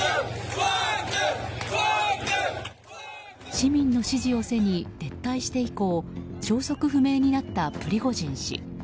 市民の支持を背に撤退して以降消息不明になったプリゴジン氏。